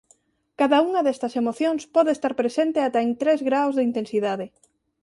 Cada unha destas emocións pode estar presente ata en tres graos de intensidade.